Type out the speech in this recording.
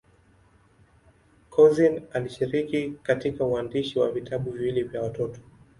Couzyn alishiriki katika uandishi wa vitabu viwili vya watoto.